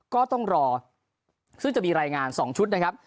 ก็ต้องรอซึ่งจะมีรายงาน๒ชุดนะครับ